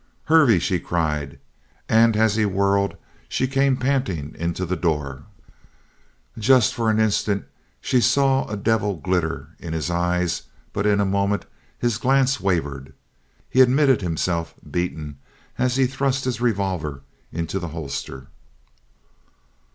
"Hervey!" she cried, and as he whirled she came panting into the door. Just for an instant she saw a devil glitter in his eyes but in a moment his glance wavered. He admitted himself beaten as he thrust his revolver into the holster.